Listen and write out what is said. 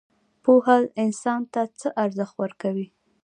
پوهه انسان ته څه ارزښت ورکوي؟